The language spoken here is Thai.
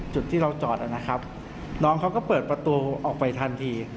จุดที่เราจอดนะครับน้องเขาก็เปิดประตูออกไปทันที